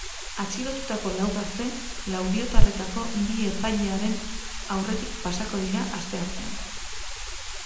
Atxilotutako lau gazte laudiotarretako bi epailearen aurretik pasako dira asteartean.